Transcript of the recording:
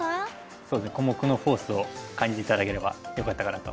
そうですね小目のフォースを感じて頂ければよかったかなと。